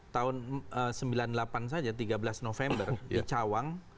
tahun seribu sembilan ratus sembilan puluh delapan saja tiga belas november di cawang